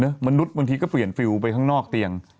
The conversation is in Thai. มนุษย์บางทีก็เปลี่ยนฟิลไปข้างนอกเตียง